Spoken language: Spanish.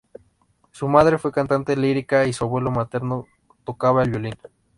Su madre fue cantante lírica y su abuelo materno tocaba el violín.